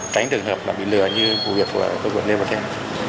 tránh trường hợp bị lừa như vụ việc của cơ quan nêu bật thêm